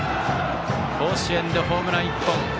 甲子園でホームラン１本。